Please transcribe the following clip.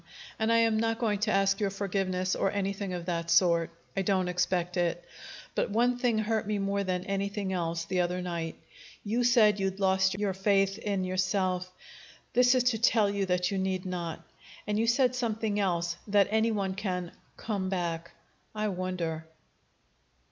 And I am not going to ask your forgiveness, or anything of that sort. I don't expect it. But one thing hurt me more than anything else, the other night. You said you'd lost your faith in yourself. This is to tell you that you need not. And you said something else that any one can 'come back.' I wonder!"